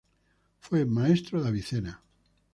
Fue maestro de Avicena.